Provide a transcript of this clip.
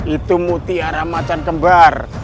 itu musti kemacang kembar